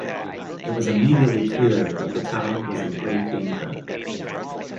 It was immediately clear that the town was in grave danger.